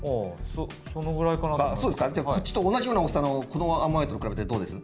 じゃあこっちと同じような大きさのこのアンモナイトと比べてどうです？